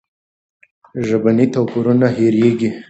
ژبني توپیرونه هېرېږي.